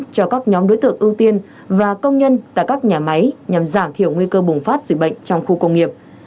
cho các nhóm đối tượng ưu tiên và công nhân tại các nhà máy nhằm giảm thiểu nguy cơ bùng phát dịch bệnh trong khu công nghiệp